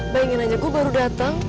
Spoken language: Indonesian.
bayangin aja gue baru dateng